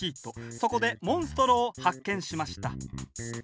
そこでモンストロを発見しました。